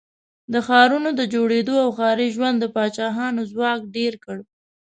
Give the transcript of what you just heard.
د ښارونو د جوړېدو او ښاري ژوند د پاچاهانو ځواک ډېر کړ.